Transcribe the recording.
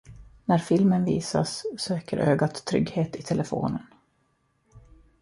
När filmen visas söker ögat trygghet i telefonen.